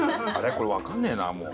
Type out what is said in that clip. これわかんねえなもう。